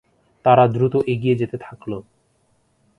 তারা দ্রুত এগিয়ে যেতে থাকল।